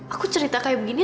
aku cerita kayak begini